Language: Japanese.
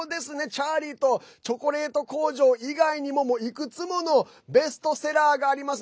「チャーリーとチョコレート工場」以外にもいくつものベストセラーがあります。